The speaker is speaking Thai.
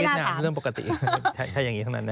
เหล่าวีซ่าเป็นเรื่องปกติใช่อย่างนี้ทั้งนั้นนะ